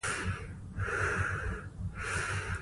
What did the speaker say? استاد بینوا د پښتو لیکدود لپاره هڅې کړې دي.